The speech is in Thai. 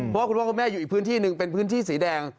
เพราะว่าคุณพ่อคุณแม่อยู่อีกพื้นที่หนึ่งเป็นพื้นที่สีแดง